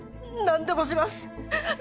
何でもします